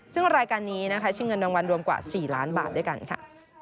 ซึ่งรายการนี้นะคะชิงเงินรางวัลรวมกว่า๔ล้านบาทด้วยกันค่ะ